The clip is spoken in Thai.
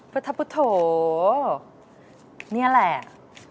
พระทัพพุทธโถนี่แหละ